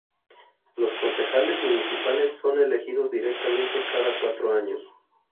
Los concejales municipales son elegidos directamente cada cuatro años.